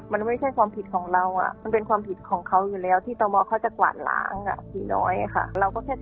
พระเจ้าทำไมไม่จับว่ะพรรปรับมันก็เปิด